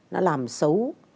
nó làm xấu